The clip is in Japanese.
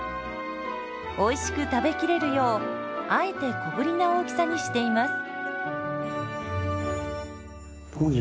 おいしく食べきれるようあえて小ぶりな大きさにしています。